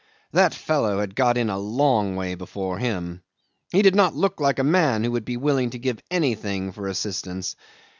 That fellow had got in a long way before him! He did not look like a man who would be willing to give anything for assistance.